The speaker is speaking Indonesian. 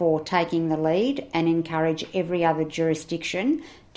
untuk mengambil pilihan dan mengucapkan kemampuan kepada seluruh juridikasi lain